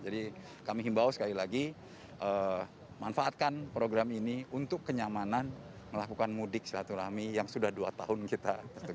jadi kami himbau sekali lagi manfaatkan program ini untuk kenyamanan melakukan mudik selatul ami yang sudah dua tahun kita